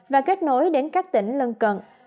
và kết nối đến các tỉnh lân cận